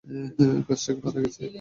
গাছটা কি মারা গেছে?